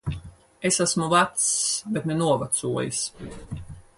Es esmu vecs. Bet ne novecojis.